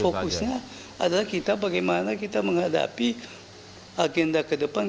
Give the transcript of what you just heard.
fokusnya adalah kita bagaimana kita menghadapi agenda kedepan